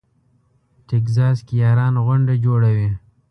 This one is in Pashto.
ټکزاس کې یاران غونډه جوړوي.